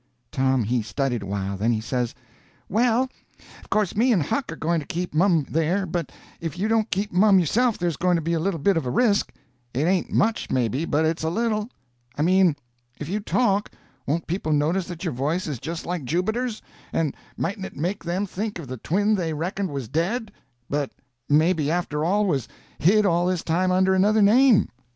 Tom he studied awhile, then he says: "Well, of course me and Huck are going to keep mum there, but if you don't keep mum yourself there's going to be a little bit of a risk—it ain't much, maybe, but it's a little. I mean, if you talk, won't people notice that your voice is just like Jubiter's; and mightn't it make them think of the twin they reckoned was dead, but maybe after all was hid all this time under another name?"